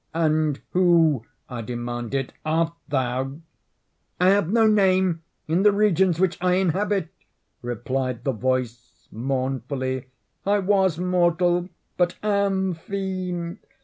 "And who," I demanded, "art thou?" "I have no name in the regions which I inhabit," replied the voice, mournfully; "I was mortal, but am fiend.